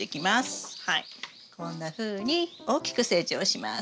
こんなふうに大きく成長します。